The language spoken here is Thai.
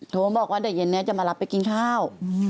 ถูกบอกว่าเดือดเย็นจะมารับไปกินข้าว